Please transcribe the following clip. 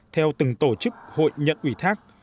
theo từng tổ chức hội nhận ủy thác